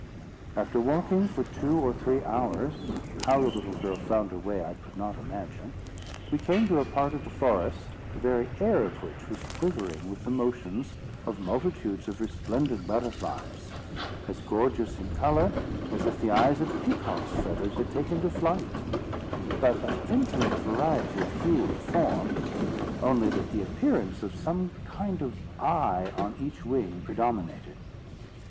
"After walking for two or three hours (how the little girl found her way, I could not imagine), we came to a part of the forest, the very air of which was quivering with the motions of multitudes of resplendent butterflies; as gorgeous in colour, as if the eyes of peacocks' feathers had taken to flight, but of infinite variety of hue and form, only that the appearance of some kind of eye on each wing predominated.